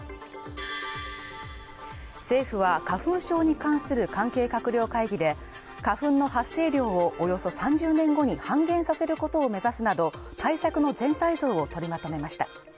政府は、花粉症に関する関係閣僚会議で、花粉の発生量をおよそ３０年後に半減させることを目指すなど、対策の全体像を取りまとめました。